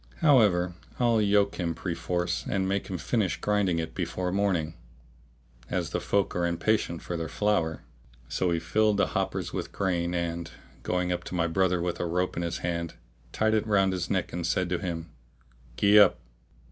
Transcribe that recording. However, I'll yoke him perforce and make him finish grinding it before morning, as the folk are impatient for their flour." So he filled the hoppers with grain and, going up to my brother with a rope in his hand, tied it round his neck and said to him, "Gee up!